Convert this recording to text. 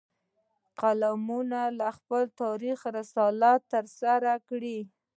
قلموال خپل تاریخي رسالت ترسره کړي